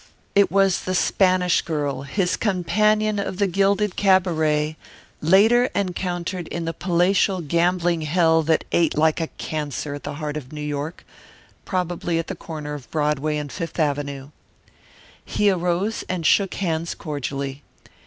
It was the Spanish girl, his companion of the gilded cabaret, later encountered in the palatial gambling hell that ate like a cancer at the heart of New York probably at the corner of Broadway and Fifth Avenue. He arose and shook hands cordially.